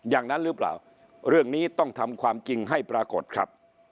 อย่างนั้นหรือเปล่าเรื่องนี้ต้องทำความจริงให้ปรากฏครับ